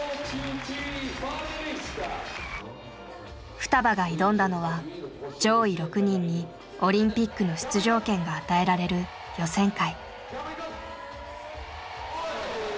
ふたばが挑んだのは上位６人にオリンピックの出場権が与えられる予選会。